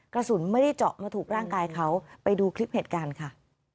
กระสุนไม่ได้เจาะมาถูกร่างกายเขาไปดูคลิปเหตุการณ์ค่ะ